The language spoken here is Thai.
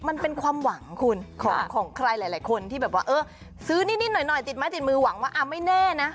มันเป็นความหวังคุณของใครหลายคนที่แบบว่าเออซื้อนิดหน่อยติดไม้ติดมือหวังว่าไม่แน่นะ